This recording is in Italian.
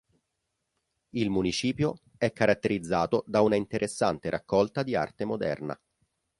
Il Municipio è caratterizzato da una interessante raccolta di arte moderna.